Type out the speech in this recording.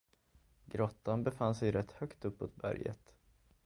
Grottan befann sig rätt högt uppåt berget.